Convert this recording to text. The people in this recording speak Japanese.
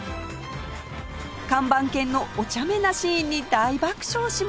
看板犬のおちゃめなシーンに大爆笑しました